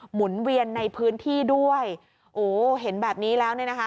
หุ่นเวียนในพื้นที่ด้วยโอ้เห็นแบบนี้แล้วเนี่ยนะคะ